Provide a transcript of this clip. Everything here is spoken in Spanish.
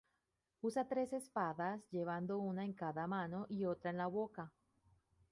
Usa tres espadas, llevando una en cada mano y otra en la boca.